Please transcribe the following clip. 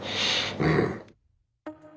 うん。